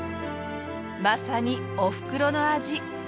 まさにおふくろの味。